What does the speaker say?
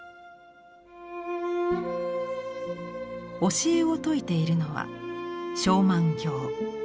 教えを説いているのは勝鬘経。